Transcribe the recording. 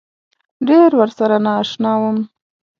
ډېر ورسره نا اشنا وم.